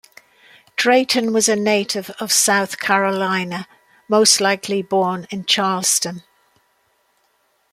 Drayton was a native of South Carolina, most likely born in Charleston.